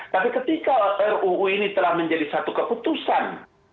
tapi ketika ruu ini telah menjadi satu keputusan